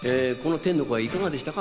天の声いかがでしたか？